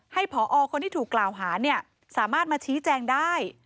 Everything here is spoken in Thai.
ผอคนที่ถูกกล่าวหาสามารถมาชี้แจงได้